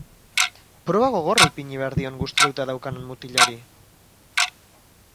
Proba gogorra ipini behar dion gustatuta daukanan mutilari.